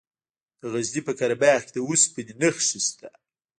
د غزني په قره باغ کې د اوسپنې نښې شته.